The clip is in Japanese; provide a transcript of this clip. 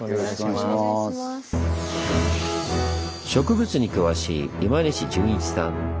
植物に詳しい今西純一さん。